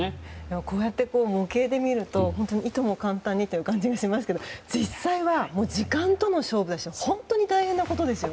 こうやって模型で見るといとも簡単にという感じがしますけれども実際は、時間との勝負ですから本当に大変なことですよね。